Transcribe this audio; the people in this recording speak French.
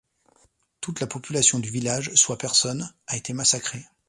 Toute la population du village, soit personnes, a été massacrée.